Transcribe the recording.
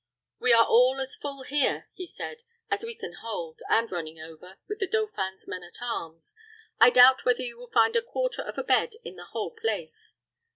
"We are all as full here," he said, "as we can hold, and running over, with the dauphin's men at arms. I doubt whether you will find a quarter of a bed in the whole place.